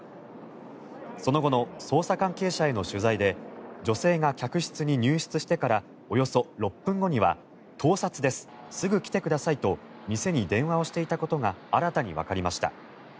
その後の捜査関係者への取材で女性が客室に入室してからおよそ６分後には盗撮です、すぐ来てくださいと店に電話をしていたことが新たにわかりました。